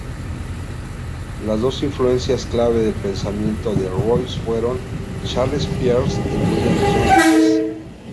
Las dos influencias clave del pensamiento de Royce fueron Charles Peirce y William James.